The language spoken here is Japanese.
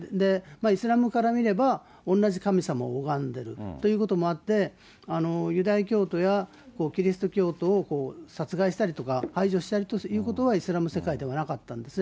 イスラムから見れば、同じ神様を拝んでるということもあって、ユダヤ教徒やキリスト教徒を殺害したりとか排除したりということはイスラム世界ではなかったんですね。